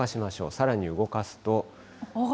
さらに動かすと。